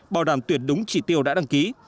bảo đảm tuyển đúng chỉ tiêu đã đăng ký